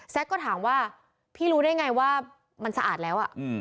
ก็ถามว่าพี่รู้ได้ไงว่ามันสะอาดแล้ว